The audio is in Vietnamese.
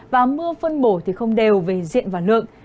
và mưa phân bổ thì không đều về diện và lượng